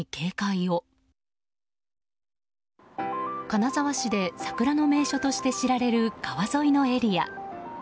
金沢市で桜の名所として知られる川沿いのエリア。